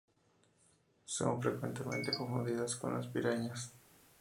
Son frecuentemente confundidas con las Pirañas.